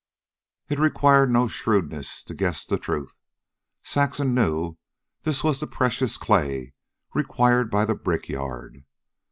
It required no shrewdness to guess the truth. Saxon knew this was the precious clay required by the brickyard.